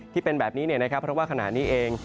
ที่เป็นแบบนี้เพราะว่าขณะนี้เอง